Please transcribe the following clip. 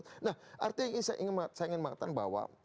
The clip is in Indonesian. nah artinya saya ingin mengatakan bahwa